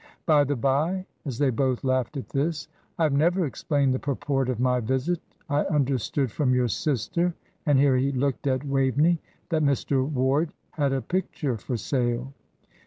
By the bye," as they both laughed at this, "I have never explained the purport of my visit. I understood from your sister," and here he looked at Waveney, "that Mr. Ward had a picture for sale.